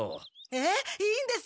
えっいいんですか？